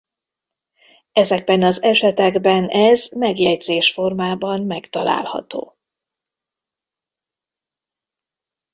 Ezekben az esetekben ez megjegyzés formában megtalálható.